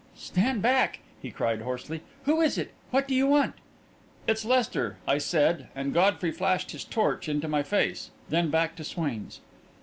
"Stand back!" he cried, hoarsely. "Who is it? What do you want?" "It's Lester," I said, and Godfrey flashed his torch into my face, then back to Swain's.